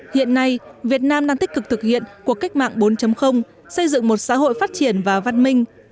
hiện nay việt nam đang tích cực thực hiện cuộc cách mạng bốn xây dựng một xã hội phát triển và văn minh